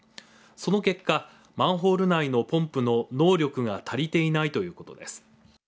その結果マンホール内のポンプの能力が足りてないということです。